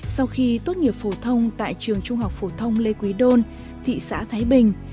sau khi tốt nghiệp phổ thông tại trường trung học phổ thông lê quý đôn thị xã thái bình